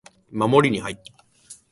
守りに入った